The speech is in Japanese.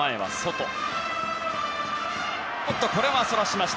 これはそらしました。